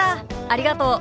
ありがとう。